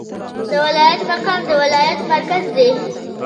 د ولایت مقام د ولایت مرکز دی